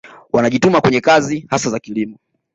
Wanajituma kwenye kazi hasa za kilimo